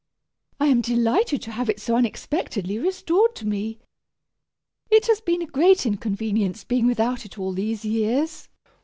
I am delighted to have it so unexpectedly restored to me. It has been a great inconvenience being without it all these years.